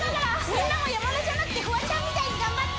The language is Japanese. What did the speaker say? みんなも山田じゃなくてフワちゃんみたいに頑張って！